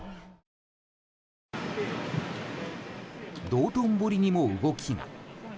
道頓堀にも、動きが。